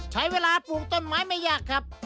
ใช้เวลาปลูกต้นไม้ไม่ยากครับ